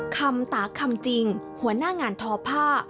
คำตาคำจริงหัวหน้างานทอผ้า